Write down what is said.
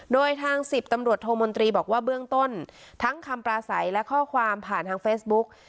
โดยทาง๑๐ตำรวจโทมนตรีบอกว่าเบื้องต้นทั้งคำปราศัยและข้อความผ่านทางเฟซบุ๊ก